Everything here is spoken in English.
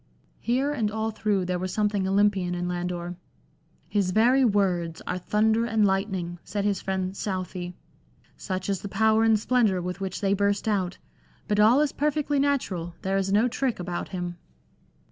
Here and all through there was something Olympian in Landor. " His very words are thunder and lightning," said his friend Southey, " such is the power and splendour with which they burst out. But all is perfectly natural ; there is no trick about him."